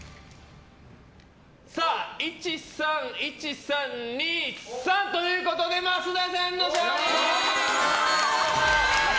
１、３、１、３、２、３ということで益田さんの勝利！